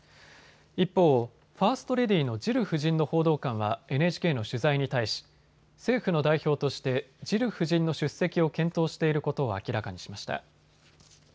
一方、ファーストレディーのジル夫人の報道官はＮＨＫの取材に対し、政府の代表としてジル夫人の出席を検討していることを明らかにしました。